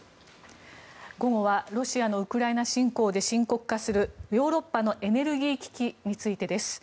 午後はロシアのウクライナ侵攻で深刻化するヨーロッパのエネルギー危機についてです。